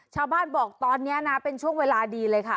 ชาวบ้านบอกตอนนี้นะเป็นช่วงเวลาดีเลยค่ะ